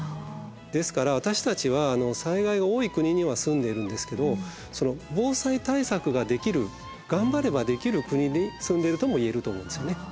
ですから私たちは災害が多い国には住んでるんですけど防災対策ができる頑張ればできる国に住んでるとも言えると思うんですよね。